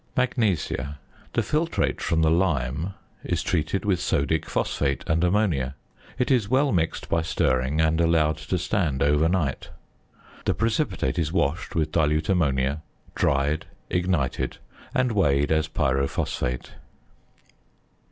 ~Magnesia.~ The filtrate from the lime is treated with sodic phosphate and ammonia. It is well mixed by stirring, and allowed to stand overnight. The precipitate is washed with dilute ammonia, dried, ignited, and weighed as pyrophosphate.